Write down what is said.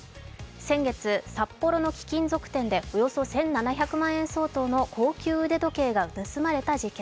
先月、札幌の貴金属店でおよそ１７００万円相当の高級腕時計が盗まれた事件。